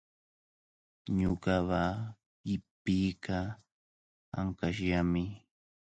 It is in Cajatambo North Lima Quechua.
Ñuqapa qipiiqa ankashllami.